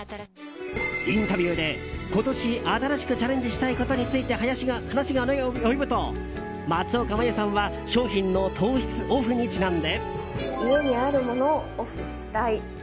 インタビューで、今年新しくチャレンジしたいことについて話が及ぶと、松岡茉優さんは商品の糖質オフにちなんで。